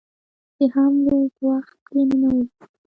د حملو په وخت کې ننوزي.